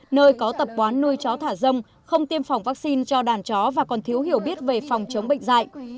nơi có tập quán nuôi chó thả rông không tiêm phòng vaccine cho đàn chó và còn thiếu hiểu biết về phòng chống bệnh dạy